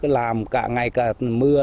làm cả ngày cả mưa